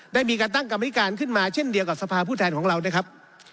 ได้มีการตั้งกรรมธิการขึ้นมาเช่นเดียวกับสภาพผู้แทนของเรานะครับ